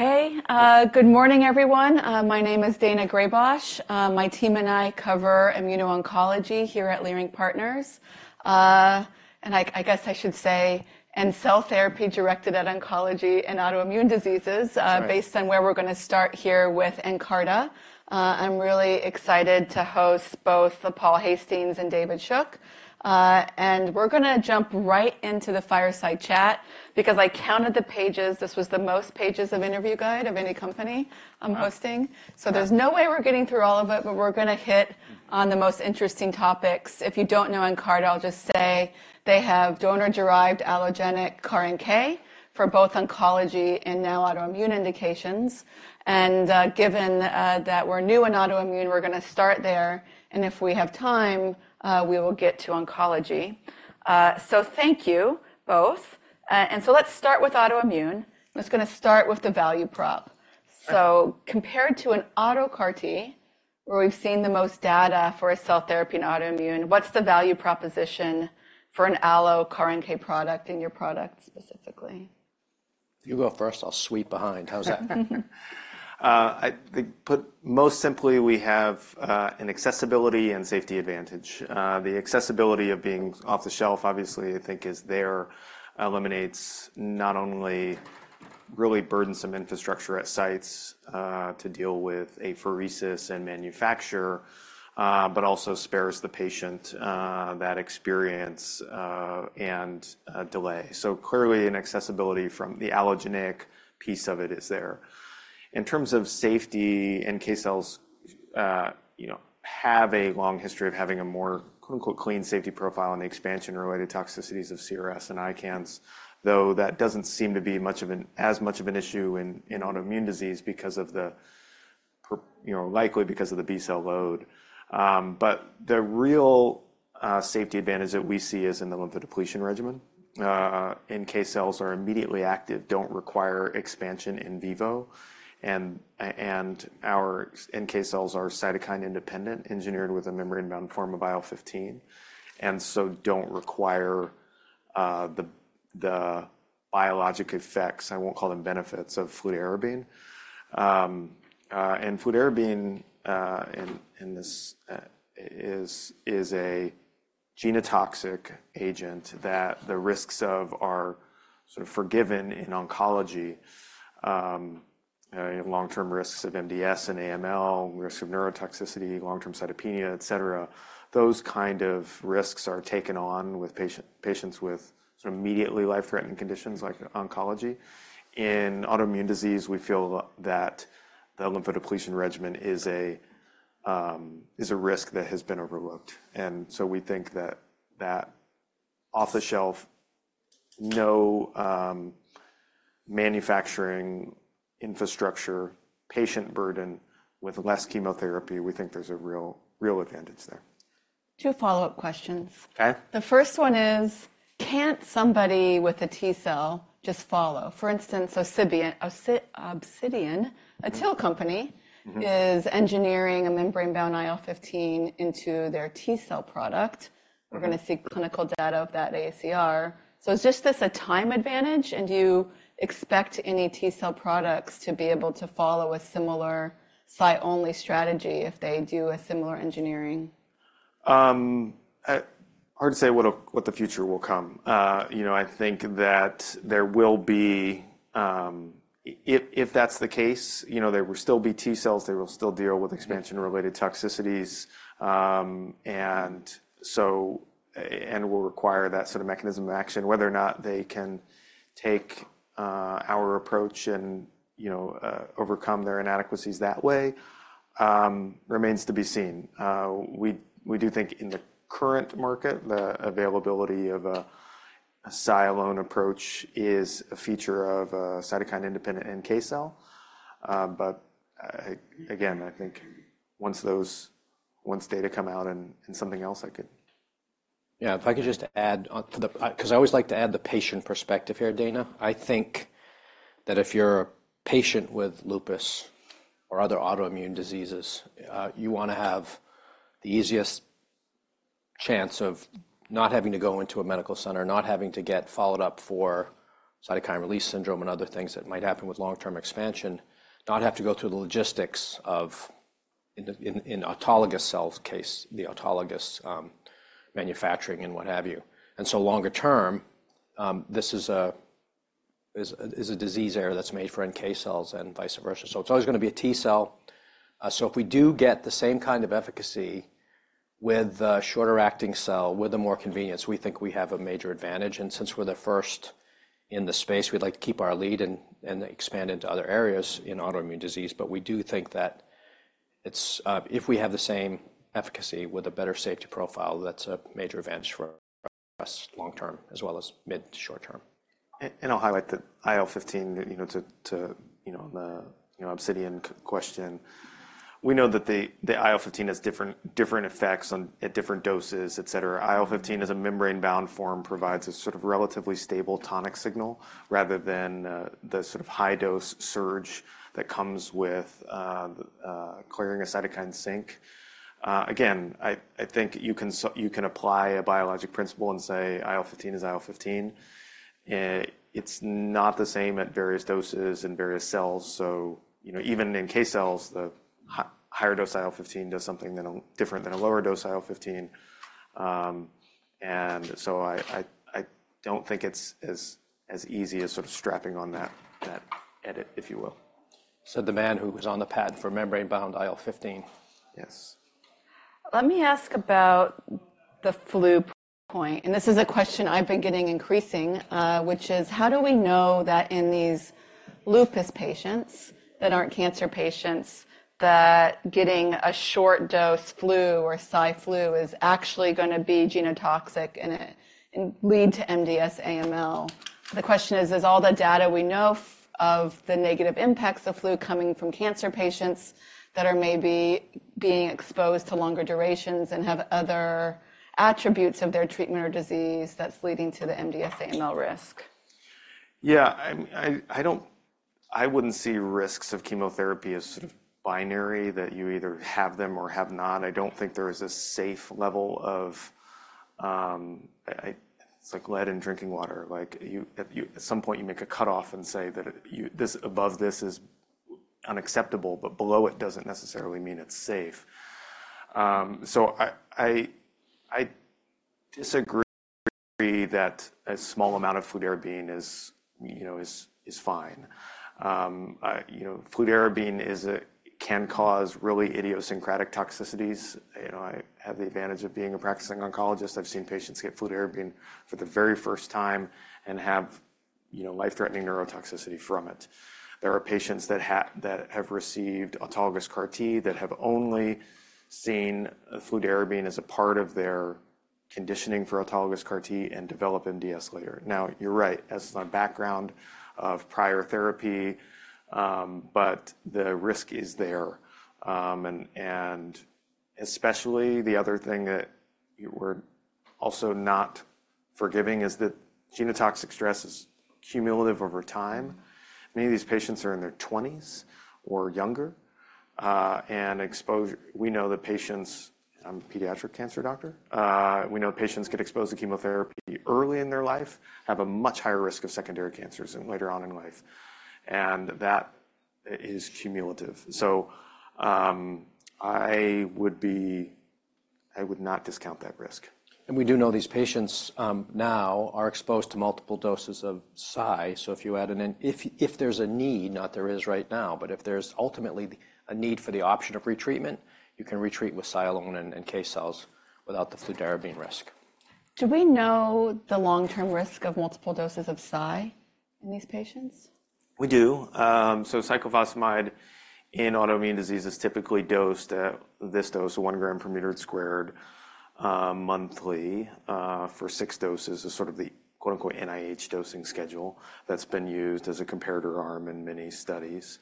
Okay, good morning, everyone. My name is Daina Graybosch. My team and I cover immuno-oncology here at Leerink Partners. And I, I guess I should say, and cell therapy directed at oncology and autoimmune diseases- That's right. Based on where we're gonna start here with Nkarta. I'm really excited to host both Paul Hastings and David Shook. We're gonna jump right into the fireside chat because I counted the pages. This was the most pages of interview guide of any company I'm hosting. Wow. So there's no way we're getting through all of it, but we're gonna hit on the most interesting topics. If you don't know Nkarta, I'll just say they have donor-derived allogeneic CAR NK for both oncology and now autoimmune indications. And, given, that we're new in autoimmune, we're gonna start there, and if we have time, we will get to oncology. So thank you both. And so let's start with autoimmune. I'm just gonna start with the value prop. Sure. Compared to an auto CAR T, where we've seen the most data for a cell therapy in autoimmune, what's the value proposition for an allo CAR NK product in your product specifically? You go first, I'll sweep behind. How's that? Put most simply, we have an accessibility and safety advantage. The accessibility of being off-the-shelf, obviously, I think is there, eliminates not only really burdensome infrastructure at sites to deal with apheresis and manufacture, but also spares the patient that experience and delay. So clearly, accessibility from the allogeneic piece of it is there. In terms of safety, NK cells, you know, have a long history of having a more quote-unquote, "clean safety profile" on the expansion-related toxicities of CRS and ICANS, though that doesn't seem to be as much of an issue in autoimmune disease because of the, you know, likely because of the B-cell load. But the real safety advantage that we see is in the lymphodepletion regimen. NK cells are immediately active, don't require expansion in vivo, and our NK cells are cytokine independent, engineered with a membrane-bound form of IL-15, and so don't require the biologic effects, I won't call them benefits, of fludarabine. And fludarabine in this is a genotoxic agent that the risks of are sort of forgiven in oncology. Long-term risks of MDS and AML, risk of neurotoxicity, long-term cytopenia, etc. Those kind of risks are taken on with patients with sort of immediately life-threatening conditions like oncology. In autoimmune disease, we feel that the lymphodepletion regimen is a risk that has been overlooked. And so we think that off-the-shelf, no manufacturing infrastructure, patient burden with less chemotherapy, we think there's a real, real advantage there. 2 follow-up questions. Okay. The first one is, can't somebody with a T cell just follow? For instance, Obsidian, a TIL company- Mm-hmm. is engineering a membrane-bound IL-15 into their T-cell product. Mm-hmm. We're gonna see clinical data of that ACR. So is this just a time advantage, and do you expect any T-cell products to be able to follow a similar cytokine-only strategy if they do a similar engineering? Hard to say what the future will come. You know, I think that there will be, if that's the case, you know, there will still be T cells, they will still deal with expansion-related toxicities, and so, and will require that sort of mechanism of action. Whether or not they can take our approach and, you know, overcome their inadequacies that way, remains to be seen. We do think in the current market, the availability of a cytokine-only approach is a feature of a cytokine-independent NK cell. But again, I think once those, once data come out and something else, I could... Yeah, if I could just add on to the 'cause I always like to add the patient perspective here, Daina. I think that if you're a patient with lupus or other autoimmune diseases, you wanna have the easiest chance of not having to go into a medical center, not having to get followed up for cytokine release syndrome and other things that might happen with long-term expansion, not have to go through the logistics of in the autologous cells case, the autologous manufacturing and what have you. And so longer term, this is a disease area that's made for NK cells and vice versa. So it's always gonna be a T cell. So if we do get the same kind of efficacy with a shorter acting cell, with a more convenience, we think we have a major advantage. Since we're the first in the space, we'd like to keep our lead and expand into other areas in autoimmune disease. We do think that it's if we have the same efficacy with a better safety profile, that's a major advantage for us long term, as well as mid to short term. And I'll highlight the IL-15, you know, to you know, the obsidian question. We know that the IL-15 has different effects on at different doses, etc. IL-15 as a membrane-bound form provides a sort of relatively stable tonic signal, rather than the sort of high-dose surge that comes with clearing a cytokine sink. Again, I think you can you can apply a biologic principle and say IL-15 is IL-15. It's not the same at various doses and various cells. So, you know, even in K cells, the higher dose IL-15 does something different than a lower dose IL-15. And so I don't think it's as easy as sort of strapping on that edit, if you will. Said the man who was on the pad for membrane-bound IL-15. Yes. Let me ask about the flu point, and this is a question I've been getting increasing, which is: How do we know that in these lupus patients, that aren't cancer patients, that getting a short-dose flu or Cy/Flu is actually gonna be genotoxic and, and lead to MDS AML? The question is, is all the data we know of the negative impacts of flu coming from cancer patients that are maybe being exposed to longer durations and have other attributes of their treatment or disease that's leading to the MDS AML risk? Yeah, I wouldn't see risks of chemotherapy as sort of binary, that you either have them or have not. I don't think there is a safe level of, it's like lead in drinking water. Like, you at some point you make a cutoff and say that this above this is unacceptable, but below it doesn't necessarily mean it's safe. So I disagree that a small amount of fludarabine is, you know, fine. You know, fludarabine can cause really idiosyncratic toxicities. You know, I have the advantage of being a practicing oncologist. I've seen patients get fludarabine for the very first time and have, you know, life-threatening neurotoxicity from it. There are patients that have received autologous CAR-T, that have only seen fludarabine as a part of their conditioning for autologous CAR-T and develop MDS later. Now, you're right, as on background of prior therapy, but the risk is there. And, and especially the other thing that we're also not forgiving is that genotoxic stress is cumulative over time. Many of these patients are in their twenties or younger, and exposure we know that patients, pediatric cancer doctor, we know patients get exposed to chemotherapy early in their life, have a much higher risk of secondary cancers later on in life, and that is cumulative. I would not discount that risk. And we do know these patients now are exposed to multiple doses of Cy. So if there's a need, not there is right now, but if there's ultimately a need for the option of retreatment, you can retreat with Cy and NK cells without the fludarabine risk. Do we know the long-term risk of multiple doses of Cy in these patients? We do. So cyclophosphamide in autoimmune disease is typically dosed at this dose, 1 gram per meter squared, monthly, for six doses is sort of the, quote, unquote, "NIH dosing schedule" that's been used as a comparator arm in many studies.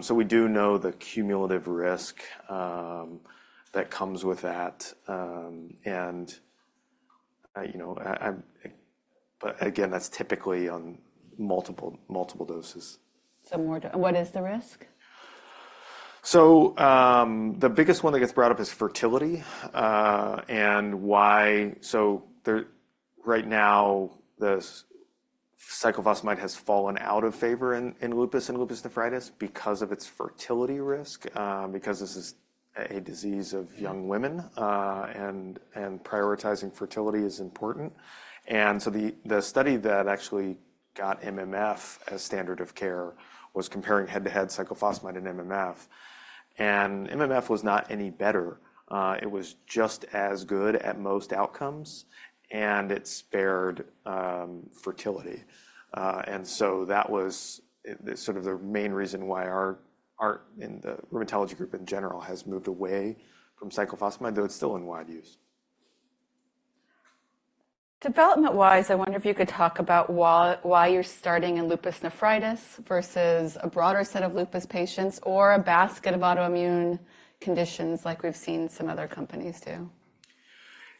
So we do know the cumulative risk, that comes with that. And, you know, but again, that's typically on multiple, multiple doses. What is the risk? So, the biggest one that gets brought up is fertility. So right now, the cyclophosphamide has fallen out of favor in lupus and lupus nephritis because of its fertility risk, because this is a disease of young women, and prioritizing fertility is important. And so the study that actually got MMF as standard of care was comparing head-to-head cyclophosphamide and MMF, and MMF was not any better. It was just as good at most outcomes, and it spared fertility. And so that was the sort of the main reason why our and the rheumatology group in general has moved away from cyclophosphamide, though it's still in wide use. Development-wise, I wonder if you could talk about why, why you're starting in lupus nephritis versus a broader set of lupus patients or a basket of autoimmune conditions like we've seen some other companies do?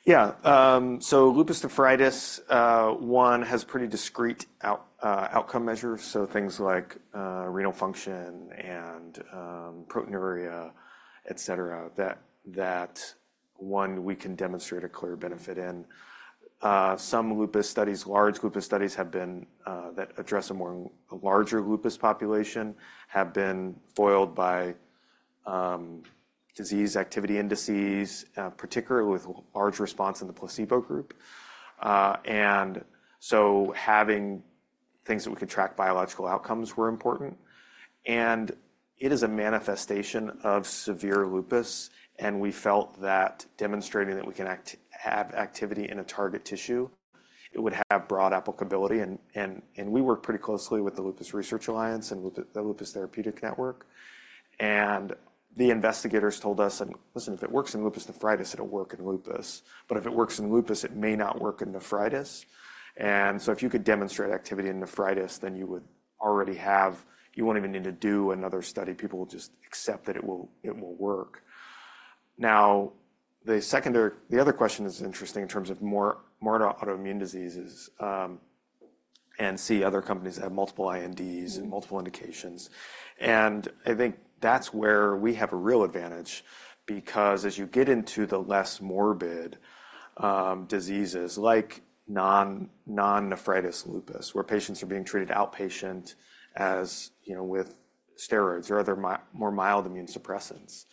Yeah. So lupus nephritis, one, has pretty discrete outcome measures, so things like renal function and proteinuria, etc., that one we can demonstrate a clear benefit in. Some lupus studies, large lupus studies have been that address a larger lupus population, have been foiled by disease activity indices, particularly with large response in the placebo group. And so having things that we could track biological outcomes were important. And it is a manifestation of severe lupus, and we felt that demonstrating that we can have activity in a target tissue, it would have broad applicability and we work pretty closely with the Lupus Research Alliance and the Lupus Therapeutics Network. And the investigators told us, "Listen, if it works in lupus nephritis, it'll work in lupus. But if it works in lupus, it may not work in nephritis. And so if you could demonstrate activity in nephritis, then you would already have... You won't even need to do another study. People will just accept that it will, it will work."... Now, the other question is interesting in terms of more autoimmune diseases, and see other companies have multiple INDs and multiple indications. And I think that's where we have a real advantage because as you get into the less morbid diseases like non-nephritis lupus, where patients are being treated outpatient, as you know, with steroids or other more mild immune suppressants.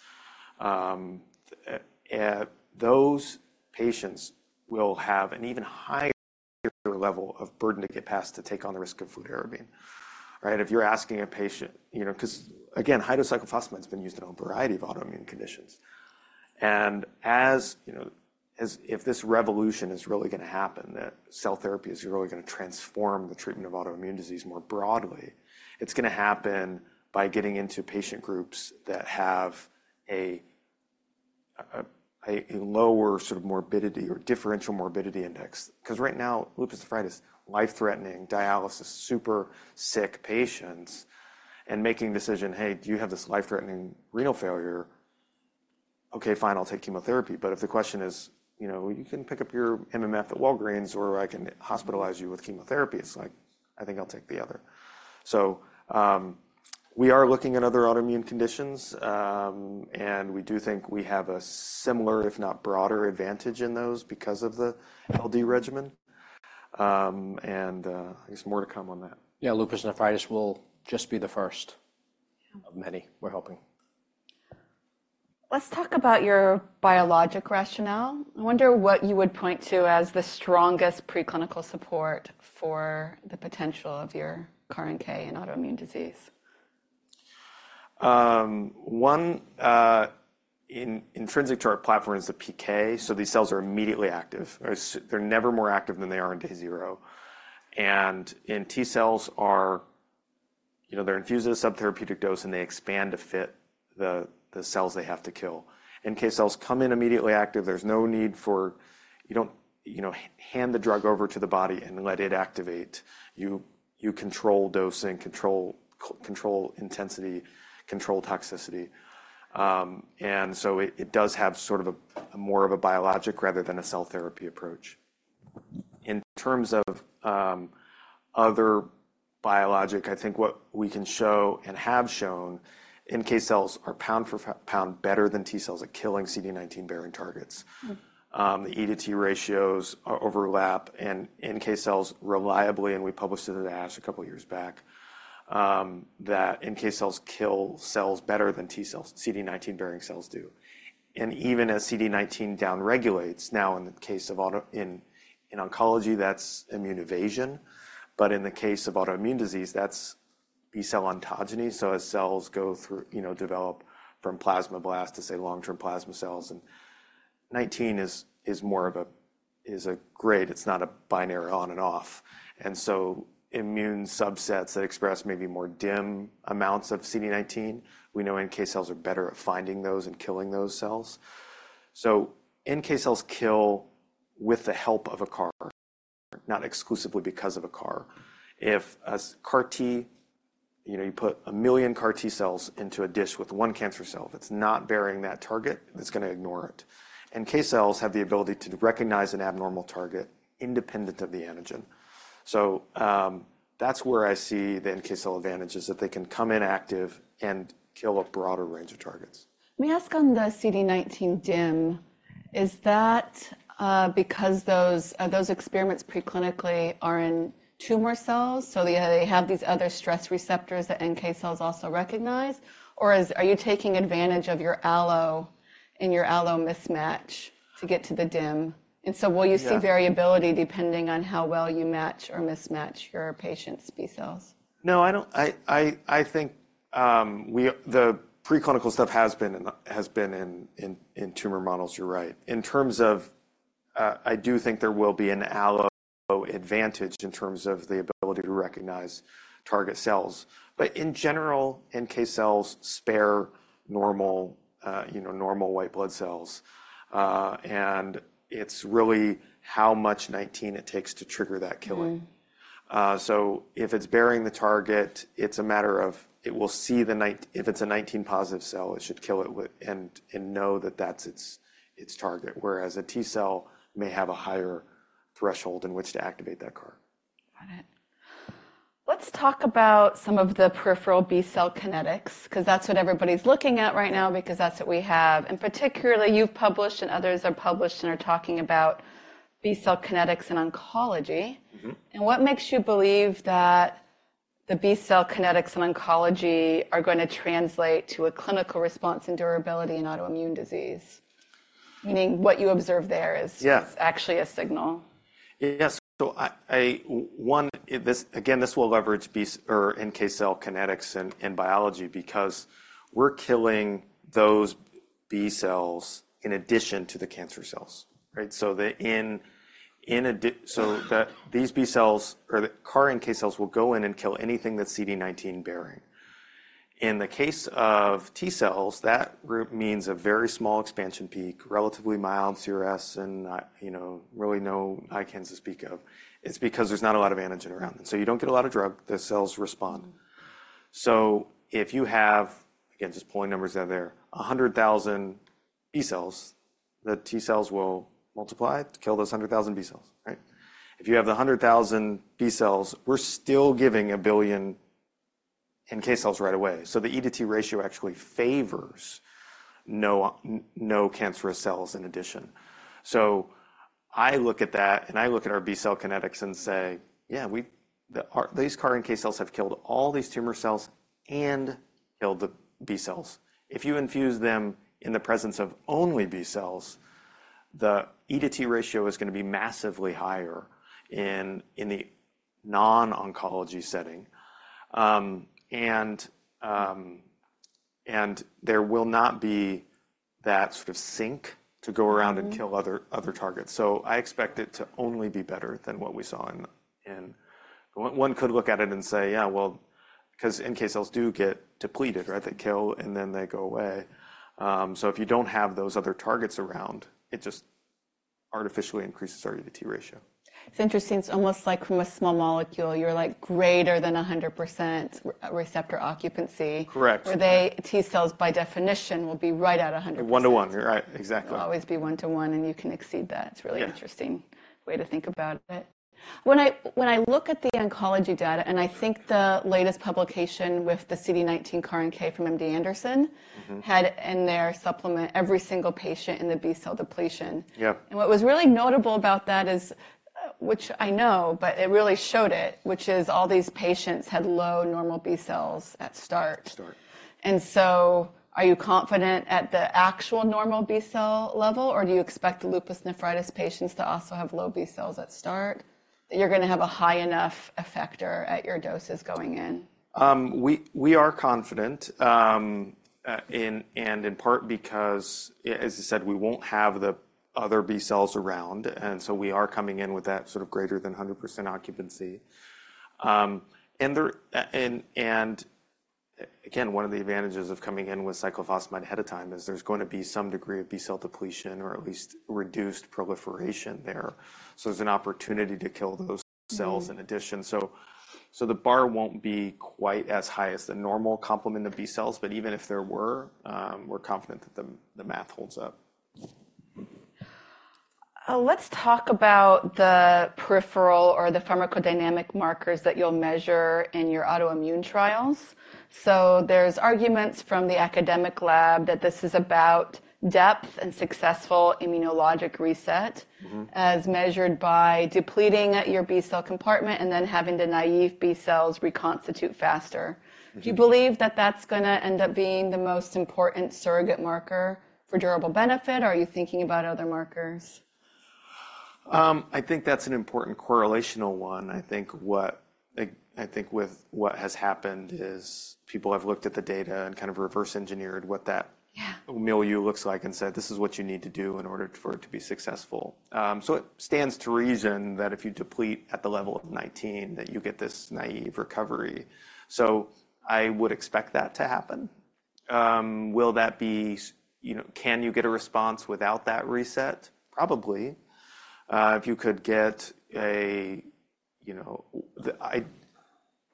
Those patients will have an even higher level of burden to get past to take on the risk of fludarabine. Right? If you're asking a patient, you know, 'cause again, high-dose cyclophosphamide has been used in a variety of autoimmune conditions. And as you know, if this revolution is really gonna happen, that cell therapy is really gonna transform the treatment of autoimmune disease more broadly. It's gonna happen by getting into patient groups that have a lower sort of morbidity or differential morbidity index. 'Cause right now, lupus nephritis, life-threatening dialysis, super sick patients, and making decision, "Hey, do you have this life-threatening renal failure? Okay, fine, I'll take chemotherapy." But if the question is, you know, you can pick up your MMF at Walgreens, or I can hospitalize you with chemotherapy, it's like, I think I'll take the other. We are looking at other autoimmune conditions, and we do think we have a similar, if not broader, advantage in those because of the LD regimen. There's more to come on that. Yeah, lupus nephritis will just be the first- Yeah. of many, we're hoping. Let's talk about your biologic rationale. I wonder what you would point to as the strongest preclinical support for the potential of your CAR NK in autoimmune disease. One intrinsic to our platform is the PK, so these cells are immediately active. They're never more active than they are in day zero. And T cells are, you know, they're infused with a subtherapeutic dose, and they expand to fit the cells they have to kill. NK cells come in immediately active. There's no need for... You don't, you know, hand the drug over to the body and let it activate. You control dosing, control intensity, control toxicity. And so it does have sort of a more of a biologic rather than a cell therapy approach. In terms of other biologic, I think what we can show and have shown, NK cells are pound for pound better than T cells at killing CD19-bearing targets. Mm-hmm. The E to T ratios overlap, and NK cells reliably, and we published it at ASH a couple of years back, that NK cells kill cells better than T cells, CD19-bearing cells do. And even as CD19 down-regulates, now in the case of oncology, that's immune evasion, but in the case of autoimmune disease, that's B-cell ontogeny. So as cells go through, you know, develop from plasmablast to, say, long-term plasma cells, and CD19 is more of a grade, it's not a binary on and off. And so immune subsets that express maybe more dim amounts of CD19, we know NK cells are better at finding those and killing those cells. So NK cells kill with the help of a CAR, not exclusively because of a CAR. If a CAR T, you know, you put 1 million CAR T cells into a dish with one cancer cell, that's not bearing that target, it's gonna ignore it. NK cells have the ability to recognize an abnormal target independent of the antigen. So, that's where I see the NK cell advantage, is that they can come in active and kill a broader range of targets. Let me ask on the CD19 dim. Is that because those experiments preclinically are in tumor cells, so they have these other stress receptors that NK cells also recognize? Or are you taking advantage of your allo in your allo mismatch to get to the dim? Yeah. So will you see variability depending on how well you match or mismatch your patient's B cells? No, I don't. I think the preclinical stuff has been in tumor models, you're right. In terms of, I do think there will be an allo advantage in terms of the ability to recognize target cells. But in general, NK cells spare normal, you know, normal white blood cells. And it's really how much CD19 it takes to trigger that killing. Mm-hmm. So if it's bearing the target, it's a matter of it will see the CD19—if it's a CD19-positive cell, it should kill it and know that that's its target, whereas a T cell may have a higher threshold in which to activate that CAR. Got it. Let's talk about some of the peripheral B-cell kinetics, 'cause that's what everybody's looking at right now because that's what we have. And particularly, you've published and others have published and are talking about B-cell kinetics in oncology. Mm-hmm. What makes you believe that the B-cell kinetics in oncology are gonna translate to a clinical response and durability in autoimmune disease? Meaning, what you observe there is- Yeah. Actually a signal. Yes. So, this will leverage B or NK cell kinetics in biology because we're killing those B cells in addition to the cancer cells, right? So, in addition, these B cells or the CAR NK cells will go in and kill anything that's CD19-bearing. In the case of T cells, that group means a very small expansion peak, relatively mild CRS, and, you know, really no ICANS to speak of. It's because there's not a lot of antigen around, and so you don't get a lot of drug, the cells respond. So if you have, again, just pulling numbers out of there, 100,000 B cells, the T cells will multiply to kill those 100,000 B cells, right? If you have the 100,000 B cells, we're still giving 1 billion NK cells right away. So the E to T ratio actually favors no cancerous cells in addition. So I look at that, and I look at our B cell kinetics and say, "Yeah, we—these CAR NK cells have killed all these tumor cells and killed the B cells." If you infuse them in the presence of only B cells, the E to T ratio is going to be massively higher in the non-oncology setting. And there will not be that sort of sink to go around- Mm-hmm. and kill other targets. So I expect it to only be better than what we saw in oncology. One could look at it and say, "Yeah, well," because NK cells do get depleted, right? They kill, and then they go away. So if you don't have those other targets around, it just artificially increases our E to T ratio. It's interesting. It's almost like from a small molecule, you're like, greater than 100% receptor occupancy. Correct. Where they, T cells, by definition, will be right at 100%. 1 to 1, right. Exactly. Will always be 1 to 1, and you can exceed that. Yeah. It's a really interesting way to think about it. When I, when I look at the oncology data, and I think the latest publication with the CD19 CAR NK from MD Anderson- Mm-hmm. had in their supplement, every single patient in the B-cell depletion. Yeah. What was really notable about that is, which I know, but it really showed it, which is all these patients had low normal B cells at start. Start. Are you confident at the actual normal B-cell level, or do you expect the lupus nephritis patients to also have low B cells at start? You're gonna have a high enough effector at your doses going in. We are confident in part because, as you said, we won't have the other B cells around, and so we are coming in with that sort of greater than 100% occupancy. And again, one of the advantages of coming in with cyclophosphamide ahead of time is there's going to be some degree of B-cell depletion or at least reduced proliferation there. So there's an opportunity to kill those cells- Mm. In addition. So the bar won't be quite as high as the normal complement of B cells, but even if there were, we're confident that the math holds up. Let's talk about the peripheral or the pharmacodynamic markers that you'll measure in your autoimmune trials. So there's arguments from the academic lab that this is about depth and successful immunologic reset- Mm-hmm. as measured by depleting your B-cell compartment and then having the naive B cells reconstitute faster. Mm-hmm. Do you believe that that's gonna end up being the most important surrogate marker for durable benefit, or are you thinking about other markers? I think that's an important correlational one. I think what-- I think with what has happened is people have looked at the data and kind of reverse engineered what that- Yeah Milieu looks like and said, "This is what you need to do in order for it to be successful." So it stands to reason that if you deplete at the level of CD19, that you get this naive recovery. So I would expect that to happen. Will that be, you know, can you get a response without that reset? Probably. If you could get a, you know...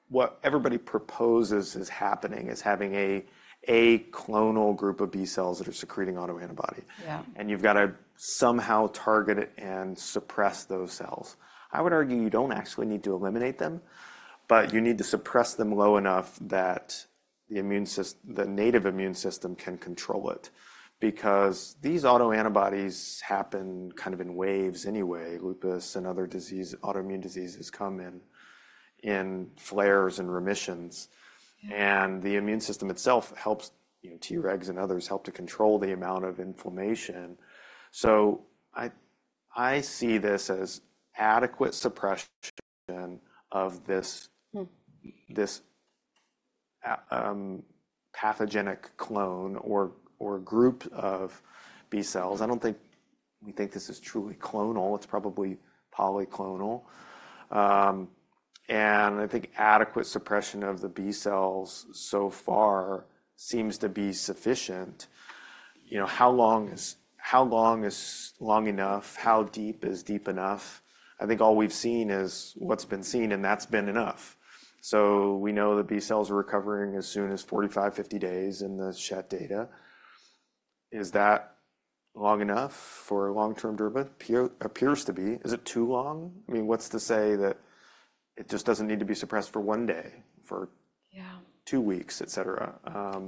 What everybody proposes is happening is having a clonal group of B cells that are secreting autoantibody. Yeah. You've got to somehow target it and suppress those cells. I would argue you don't actually need to eliminate them, but you need to suppress them low enough that the native immune system can control it, because these autoantibodies happen kind of in waves anyway. Lupus and other disease, autoimmune diseases come in flares and remissions, and the immune system itself helps, you know, Tregs and others help to control the amount of inflammation. So I, I see this as adequate suppression of this- Mm... this, pathogenic clone or, or group of B cells. I don't think we think this is truly clonal; it's probably polyclonal. And I think adequate suppression of the B cells so far seems to be sufficient. You know, how long is, how long is long enough? How deep is deep enough? I think all we've seen is what's been seen, and that's been enough. So we know the B cells are recovering as soon as 45, 50 days in the Schett data. Is that long enough for long-term durable? Appears to be. Is it too long? I mean, what's to say that it just doesn't need to be suppressed for one day, for- Yeah... two weeks, etc.?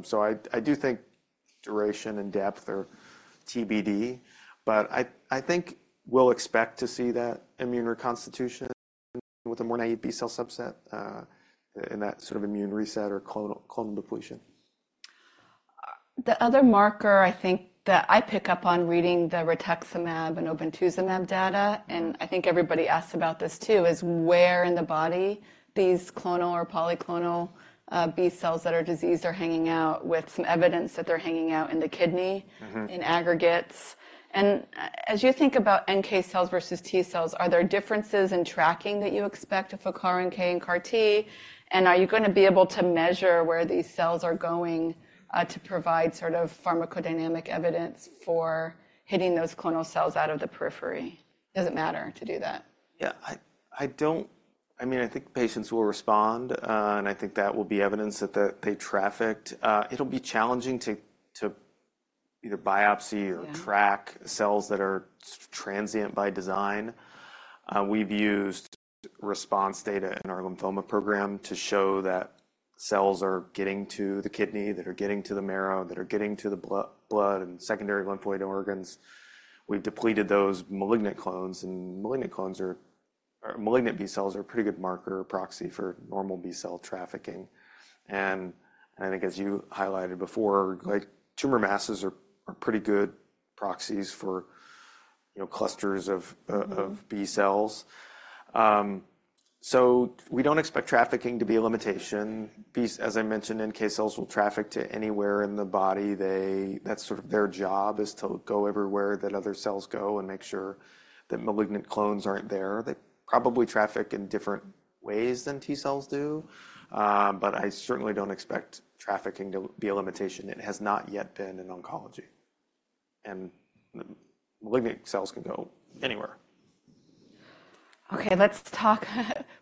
So I do think duration and depth are TBD, but I think we'll expect to see that immune reconstitution with a more naive B-cell subset, in that sort of immune reset or clonal depletion. The other marker, I think, that I pick up on reading the rituximab and obinutuzumab data, and I think everybody asks about this too, is where in the body these clonal or polyclonal B cells that are diseased are hanging out with some evidence that they're hanging out in the kidney- Mm-hmm... in aggregates. And as you think about NK cells versus T cells, are there differences in tracking that you expect for CAR NK and CAR T? And are you gonna be able to measure where these cells are going, to provide sort of pharmacodynamic evidence for hitting those clonal cells out of the periphery? Does it matter to do that? Yeah, I mean, I think patients will respond, and I think that will be evidence that they trafficked. It'll be challenging to either biopsy or track cells that are transient by design. We've used response data in our lymphoma program to show that cells are getting to the kidney, to the marrow, to the blood, and secondary lymphoid organs. We've depleted those malignant clones, and malignant B cells are a pretty good marker or proxy for normal B cell trafficking. And I think as you highlighted before, like, tumor masses are pretty good proxies for, you know, clusters of Mm. -of B cells. So we don't expect trafficking to be a limitation. As I mentioned, NK cells will traffic to anywhere in the body. They, that's sort of their job, is to go everywhere that other cells go and make sure that malignant clones aren't there. They probably traffic in different ways than T cells do, but I certainly don't expect trafficking to be a limitation. It has not yet been in oncology, and malignant cells can go anywhere. Okay, let's talk,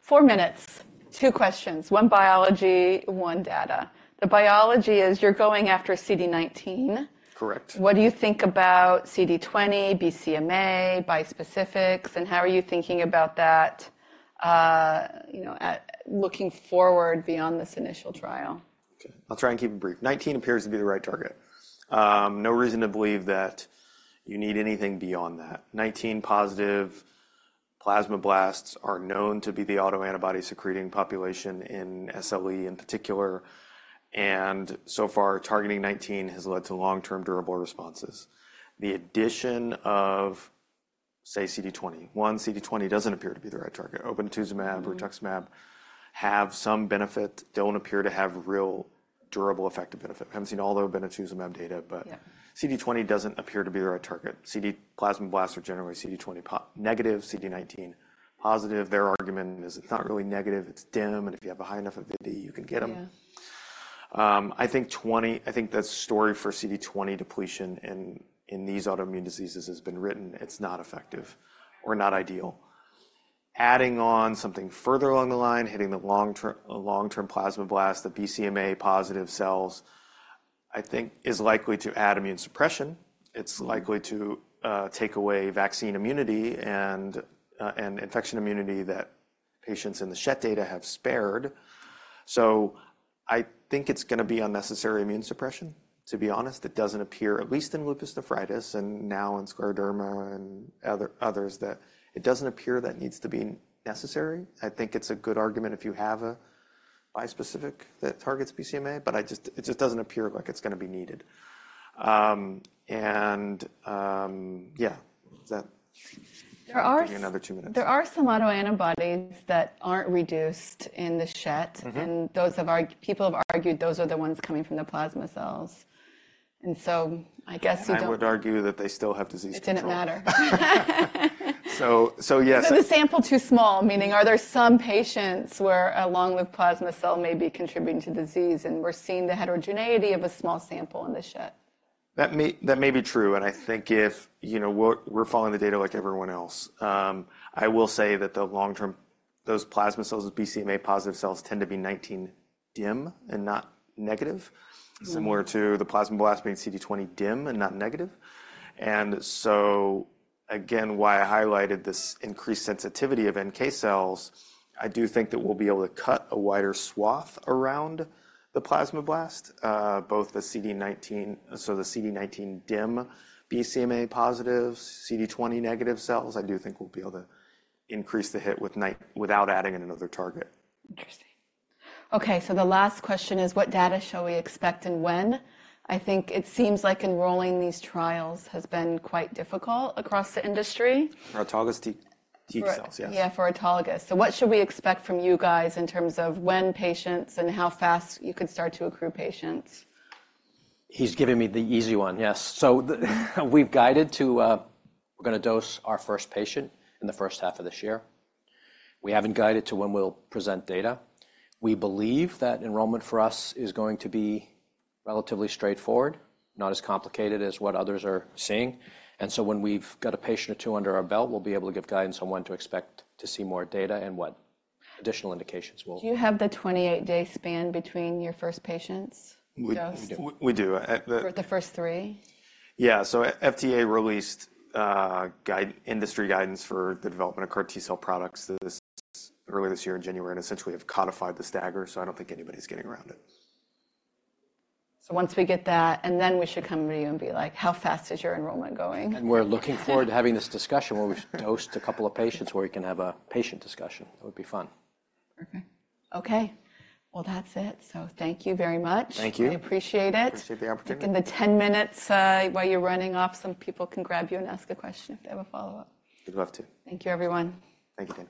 4 minutes, 2 questions, one biology, one data. The biology is you're going after CD19? Correct. What do you think about CD20, BCMA, bispecifics, and how are you thinking about that, you know, looking forward beyond this initial trial? Okay, I'll try and keep it brief. 19 appears to be the right target. No reason to believe that you need anything beyond that. 19-positive plasmablasts are known to be the autoantibody-secreting population in SLE in particular, and so far, targeting 19 has led to long-term durable responses. The addition of, say, CD20. One, CD20 doesn't appear to be the right target. Obinutuzumab- Mm. -Rituximab have some benefit, don't appear to have real durable, effective benefit. I haven't seen all the obinutuzumab data, but- Yeah. CD20 doesn't appear to be the right target. Plasmablasts are generally CD20 negative, CD19 positive. Their argument is it's not really negative, it's dim, and if you have a high enough avidity, you can get them. Yeah. I think that story for CD20 depletion in these autoimmune diseases has been written. It's not effective or not ideal. Adding on something further along the line, hitting the long-term plasmablast, the BCMA-positive cells, I think is likely to add immune suppression. Mm. It's likely to take away vaccine immunity and infection immunity that patients in the SLE data have spared. So I think it's gonna be unnecessary immune suppression, to be honest. It doesn't appear, at least in lupus nephritis and now in scleroderma and others, that it doesn't appear that needs to be necessary. I think it's a good argument if you have a bispecific that targets BCMA, but I just-- it just doesn't appear like it's gonna be needed. Yeah, is that- There are- Give me another two minutes. There are some autoantibodies that aren't reduced in the Schett. Mm-hmm. People have argued those are the ones coming from the plasma cells. And so I guess you don't- I would argue that they still have disease control. It didn't matter. Yes- So the sample too small, meaning are there some patients where a long-lived plasma cell may be contributing to disease, and we're seeing the heterogeneity of a small sample in the Schett? That may, that may be true, and I think if, you know, we're, we're following the data like everyone else. I will say that the long-term, those plasma cells, BCMA-positive cells tend to be CD19 dim and not negative- Mm. Similar to the plasmablast being CD20 dim and not negative. And so, again, why I highlighted this increased sensitivity of NK cells, I do think that we'll be able to cut a wider swath around the plasmablast, both the CD19, so the CD19 dim, BCMA positive, CD20 negative cells, I do think we'll be able to increase the hit with NKX019 without adding in another target. Interesting. Okay, so the last question is, what data shall we expect and when? I think it seems like enrolling these trials has been quite difficult across the industry. For autologous T cells, yes. Yeah, for autologous. So what should we expect from you guys in terms of when patients and how fast you could start to accrue patients? He's giving me the easy one. Yes, so we've guided to, we're gonna dose our first patient in the first half of this year. We haven't guided to when we'll present data. We believe that enrollment for us is going to be relatively straightforward, not as complicated as what others are seeing. And so when we've got a patient or two under our belt, we'll be able to give guidance on when to expect to see more data and what additional indications we'll- Do you have the 28-day span between your first patient's dose? We do For the first three? Yeah. So FDA released industry guidance for the development of CAR T cell products earlier this year in January, and essentially have codified the stagger, so I don't think anybody's getting around it. Once we get that, and then we should come to you and be like: "How fast is your enrollment going? We're looking forward to having this discussion where we've dosed a couple of patients, where we can have a patient discussion. It would be fun. Perfect. Okay, well, that's it. So thank you very much. Thank you. We appreciate it. Appreciate the opportunity. In the 10 minutes, while you're running off, some people can grab you and ask a question if they have a follow-up. We'd love to. Thank you, everyone. Thank you.